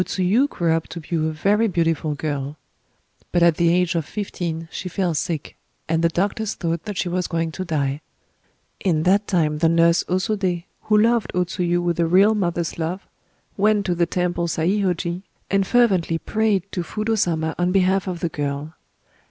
O Tsuyu grew up to be a very beautiful girl; but at the age of fifteen she fell sick, and the doctors thought that she was going to die. In that time the nurse O Sodé, who loved O Tsuyu with a real mother's love, went to the temple Saihōji, and fervently prayed to Fudō Sama on behalf of the girl.